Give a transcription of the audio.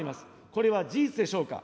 これは事実でしょうか。